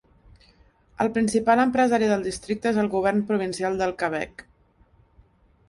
El principal empresari del districte és el govern provincial del Quebec.